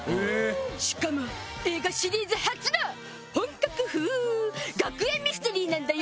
しかも映画シリーズ初の本格学園ミステリーなんだよね。